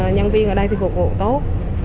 nhân viên ở đây thì phục vụ tốt